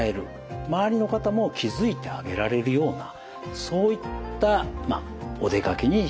周りの方も気付いてあげられるようなそういったまあお出かけにしていただきたいと思います。